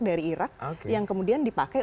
dari irak yang kemudian dipakai